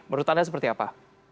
menurut anda seperti apa